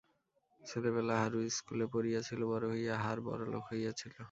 ছেলেবেলা হারু স্কুলে পড়িয়াছিল, বড় হইয়া হার বড়লোক হইয়াছিল।